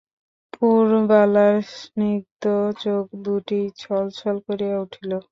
পুরবালার স্নিগ্ধ চোখ দুইটি ছলছল করিয়া উঠিল।